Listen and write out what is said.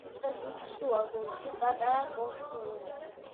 ტბის შუაგულში პატარა კუნძულია.